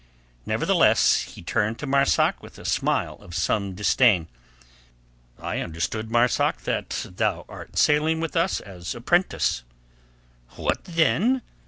Nevertheless he turned to Marzak with a smile of some disdain. "I understood, Marzak, that thou art sailing with us as apprentice." "What then?"